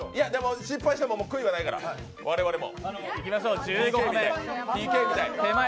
失敗しても悔いはないから、我々も。